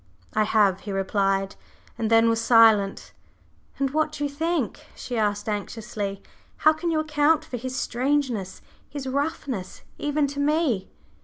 "I have," he replied, and then was silent. "And what do you think?" she asked anxiously. "How can you account for his strangeness his roughness even to me?"